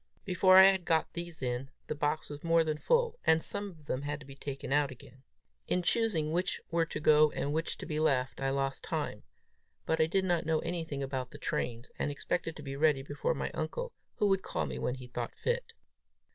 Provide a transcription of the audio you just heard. Before I had got these in, the box was more than full, and some of them had to be taken out again. In choosing which were to go and which to be left, I lost time; but I did not know anything about the trains, and expected to be ready before my uncle, who would call me when he thought fit.